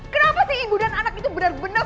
kenapa sih ibu dan anak itu bener bener